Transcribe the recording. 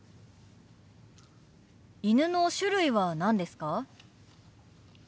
犬の種類は何ですか？